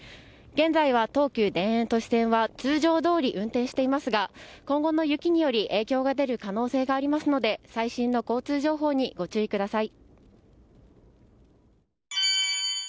現在は東急田園都市線は通常どおり運転していますが今後の雪により影響が出る可能性がありますので最新の交通情報にご注意ください。